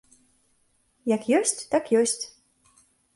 Як ёсць, так ёсць.